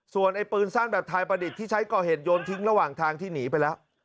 ส่วนไอ้ปืนสั้นแบบไทยประดิษฐ์ที่ใช้ก่อเหตุโยนทิ้งระหว่างทางที่หนีไปแล้ว